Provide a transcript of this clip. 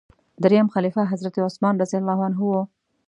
دریم خلیفه حضرت عثمان رض و.